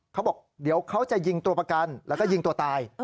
เขาบอกเดี๋ยวเขาจะยิงตัวประกันแล้วก็ยิงตัวตาย